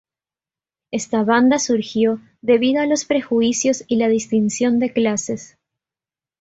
Esta banda surgió debido a los prejuicios y la distinción de clases.